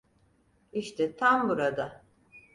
İşte tam burada.